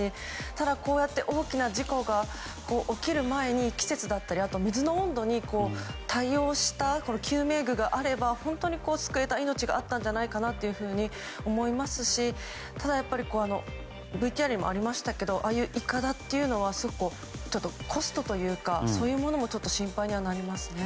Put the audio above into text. ただ、こうやって大きな事故が起きる前に季節だったり水の温度に対応した救命具があれば本当に救えた命があったんじゃないかなと思いますしただ、やっぱりＶＴＲにもありましたけどああいう、いかだというのはコストというかそういうものも心配にはなりますね。